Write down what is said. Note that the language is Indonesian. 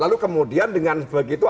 lalu kemudian dengan begitu